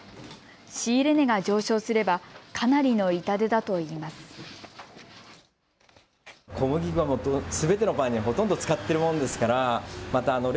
仕入れ値が上昇すればかなりの痛手だといいます。